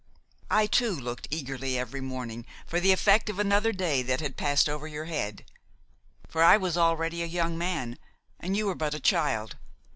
I, too, looked eagerly every morning for the effect of another day that had passed over your head; for I was already a young man and you were but a child.